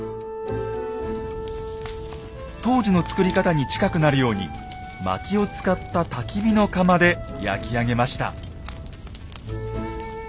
当時の作り方に近くなるようにまきを使ったたき火の窯で焼き上げました。